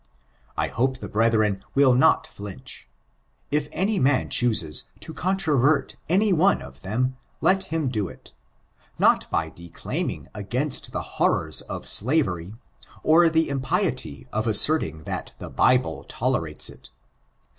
I hope the brethren will not flinch. If any man chooses to controvert any one of them, let him do it ; not by declaiming against the horrors of slavery, or the impiety of asserting that the Bible tolerates it.